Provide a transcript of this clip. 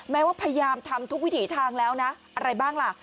แม้ว่าพยายามทำทุกวิถีทางแล้วนะอะไรบ้างล่ะ